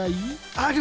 ある！